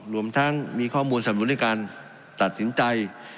รวมทั้งมีข้อมูลสำรวจในการตัดสินใจ